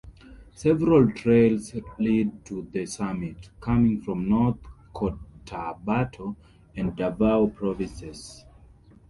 Several trails lead to the summit, coming from North Cotabato and Davao provinces.